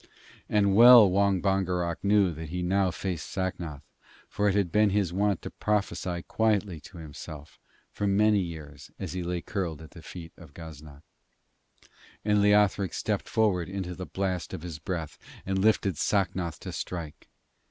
And well Wong Bongerok knew that he now faced Sacnoth, for it had been his wont to prophesy quietly to himself for many years as he lay curled at the feet of Gaznak. And Leothric stepped forward into the blast of his breath, and lifted Sacnoth to strike.